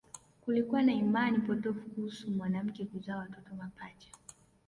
Kulikuwa na imani potofu kuhusu mwanamke kuzaa watoto mapacha